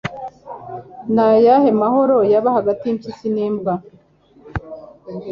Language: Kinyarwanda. ni ayahe mahoro yaba hagati y'impyisi n'imbwa